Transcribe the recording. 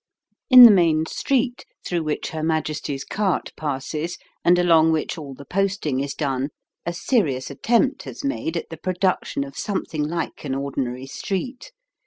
In the main street, through which her Majesty's cart passes, and along which all the posting is done, a serious attempt has made at the production of something like an ordinary street.